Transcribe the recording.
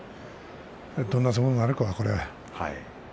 どんな相撲になるかな、これは。